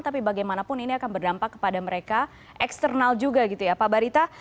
tapi bagaimanapun ini akan berdampak kepada mereka eksternal juga gitu ya pak barita